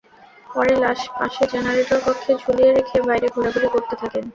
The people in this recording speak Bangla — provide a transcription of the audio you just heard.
পরে লাশ পাশের জেনারেটর কক্ষে ঝুলিয়ে রেখে বাইরে ঘোরাঘুরি করতে থাকেন।